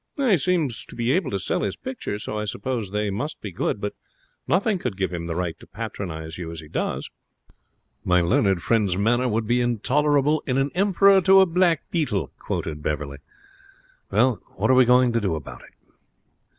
'He seems to be able to sell his pictures, so I suppose they must be good; but nothing could give him the right to patronize you as he does.' '"My learned friend's manner would be intolerable in an emperor to a black beetle,"' quoted Beverley. 'Well, what are we going to do about it?'